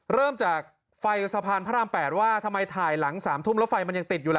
เริ่มจากไฟสะพานพระราม๘ว่าทำไมถ่ายหลัง๓ทุ่มแล้วไฟมันยังติดอยู่แล้ว